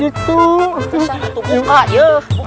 itu sangat terbuka ya